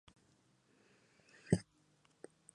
Se podría decir que el suyo fue un amor telúrico.